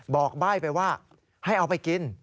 ใบ้ไปว่าให้เอาไปกิน